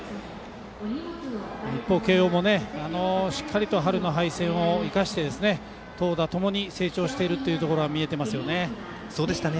一方、慶応もしっかりと春の敗戦を生かして、投打ともに成長しているところが見えていますね。